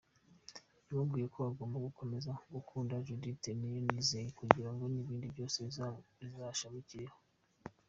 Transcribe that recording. Yamubwiye ko agomba gukomeza gukunda Judithe Niyonizera kugirango n’ibindi byose bizashamikireho.